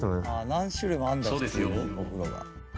「何種類もあるんだ普通にお風呂が」ええーっ！？